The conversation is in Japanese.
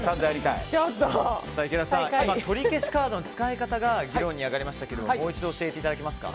いけださん今、とりけしカードの使い方が議論に上がりましたがもう一度教えていただけますか。